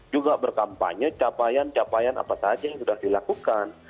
juga berkampanye capaian capaian apa saja yang sudah dilakukan